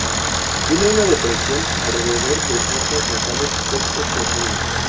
Tiene una depresión alrededor de las fosas nasales poco profunda.